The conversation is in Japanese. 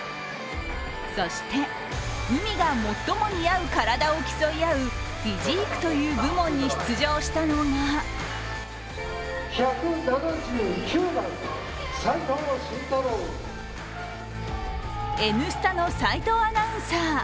そして海が最も似合う体を競い合うフィジークという部門に出場したのが「Ｎスタ」の齋藤アナウンサー。